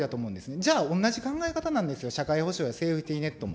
じゃあ、同じ考え方なんですよ、社会保障やセーフティネットも。